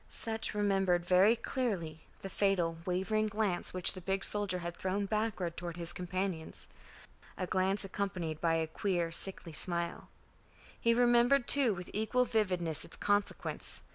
Sutch remembered very clearly the fatal wavering glance which the big soldier had thrown backward toward his companions, a glance accompanied by a queer sickly smile. He remembered too, with equal vividness, its consequence.